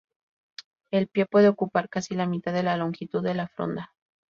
El pie puede ocupar casi la mitad de la longitud de la fronda.